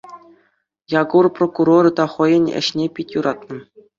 Якур прокурор та хӑйӗн ӗҫне пит юратнӑ.